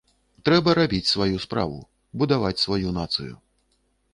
Трэба рабіць сваю справу, будаваць сваю нацыю.